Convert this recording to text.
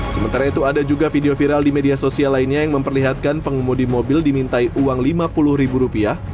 sementara itu ada juga video viral di media sosial lainnya yang memperlihatkan pengemudi mobil dimintai uang lima puluh ribu rupiah